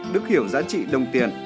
đức hiểu giá trị đồng tiền